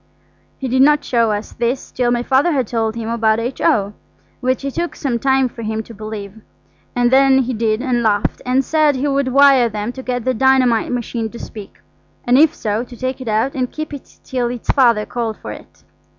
He did not show us this till my Father had told him about H.O., which it took some time for him to believe, and then he did and laughed, and said he would wire them to get the dynamite machine to speak, and if so, to take it out and keep it till its Father called for it.